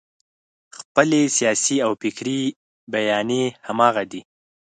خپلې سیاسي او فکري بیانیې همغه دي.